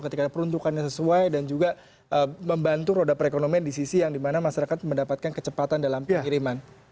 ketika peruntukannya sesuai dan juga membantu roda perekonomian di sisi yang dimana masyarakat mendapatkan kecepatan dalam pengiriman